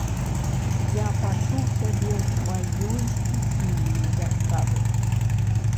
Я пачуў сябе ў сваёй стыхіі, як кажуць.